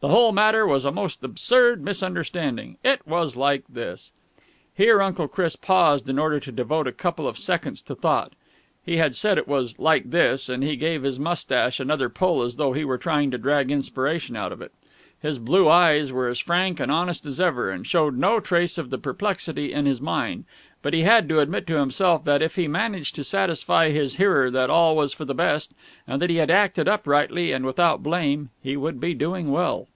The whole matter was a most absurd misunderstanding. It was like this...." Here Uncle Chris paused in order to devote a couple of seconds to thought. He had said it was "like this," and he gave his moustache another pull as though he were trying to drag inspiration out of it. His blue eyes were as frank and honest as ever, and showed no trace of the perplexity in his mind, but he had to admit to himself that, if he managed to satisfy his hearer that all was for the best and that he had acted uprightly and without blame, he would be doing well.